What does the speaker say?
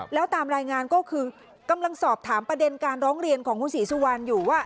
แล้วตามรายงานก็คือกำลังสอบถามประเด็นการร้องเรียนของคุณศรีสุวรรณอยู่ว่า